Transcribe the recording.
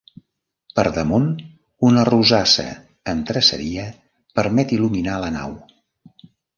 Per damunt, una rosassa amb traceria permet il·luminar la nau.